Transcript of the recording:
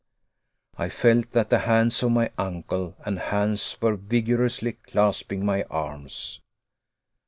I felt that the hands of my uncle and Hans were vigorously clasping my arms.